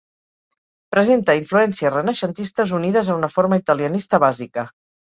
Presenta influències renaixentistes unides a una forma italianista bàsica.